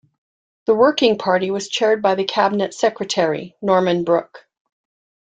The Working Party was chaired by the Cabinet Secretary, Norman Brook.